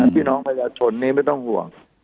พี่น้องประชาชนนี้ไม่ต้องห่วง